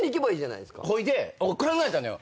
ほいで考えたのよ。